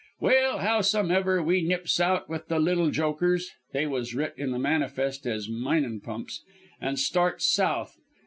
"Well, how some ever, we nips out with the little Jokers (they was writ in the manifest as minin' pumps) an' starts south.